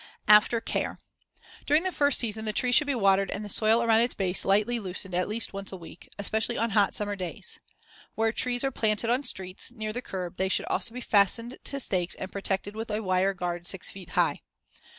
[Illustration: FIG. 95. Specifications for a Street Tree.] After care: During the first season the tree should be watered and the soil around its base slightly loosened at least once a week, especially on hot summer days. Where trees are planted on streets, near the curb, they should also be fastened to stakes and protected with a wire guard six feet high.